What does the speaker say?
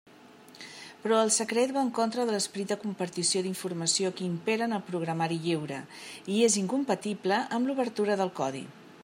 Però el secret va en contra de l'esperit de compartició d'informació que impera en el programari lliure, i és incompatible amb l'obertura del codi.